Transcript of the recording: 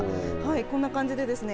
こんな感じでですね